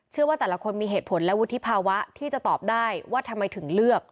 ว่าแต่ละคนมีเหตุผลและวุฒิภาวะที่จะตอบได้ว่าทำไมถึงเลือก